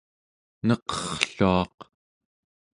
neqerrluaq